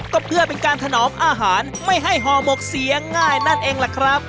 ก็เพื่อเป็นการถนอมอาหารไม่ให้ห่อหมกเสียงง่ายนั่นเองล่ะครับ